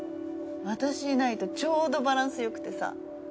私いないとちょうどバランスよくてさ。